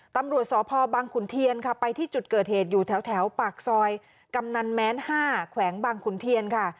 ตำรวจสพบังขุนเทียนค่ะไปที่จุดเกิดเหตุอยู่แถวปากซอยกำนันแม้น๕แขวงบางขุนเทียนค่ะ